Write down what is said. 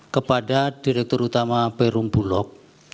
kepada direktur utama perum bulog